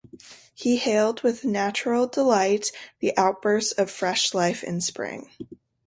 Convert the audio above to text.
He hailed with natural delight the outburst of fresh life in spring.